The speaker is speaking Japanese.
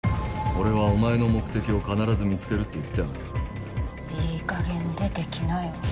俺はお前の目的を必ず見つけるって言ったよないい加減出てきなよ